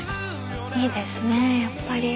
いいですねやっぱり。